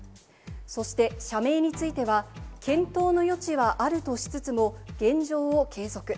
そして社名については、検討の余地はあるとしつつも、現状を継続。